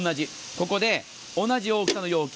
ここで同じ大きさの容器。